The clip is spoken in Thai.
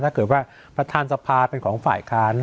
ถ้าเกิดว่าประธานสภาเป็นของฝ่ายค้าน